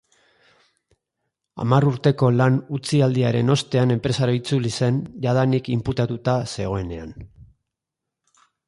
Hamar urteko lan-utzialdiaren ostean enpresara itzuli zen, jadanik inputatuta zegoenean.